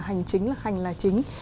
hành chính là hành là chính